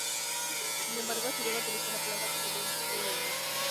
Sin embargo, se llega a utilizar la palabra como una insignia de honor.